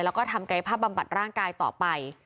แล้วก็ทำกายภาพบำบัดร่างกายต่อไป